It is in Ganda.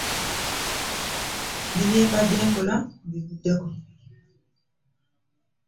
Ne bye mbadde nkola mbivuddeko.